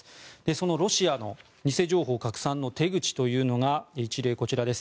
そのロシアの偽情報拡散の手口というのが一例、こちらです。